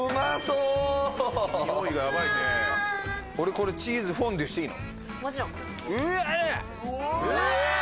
これ、チーズフォンデュしていいの？